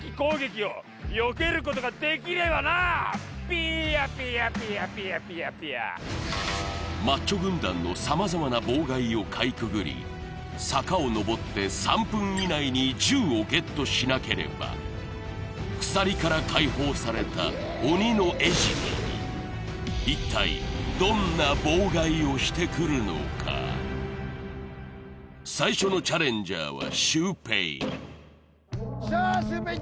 ピーヤピーヤピーヤピーヤピーヤピーヤマッチョ軍団の様々な妨害をかいくぐり坂をのぼって３分以内に銃をゲットしなければ鎖から解放された鬼の餌食に一体どんな妨害をしてくるのか最初のチャレンジャーはシュウペイしゃっシュウペイ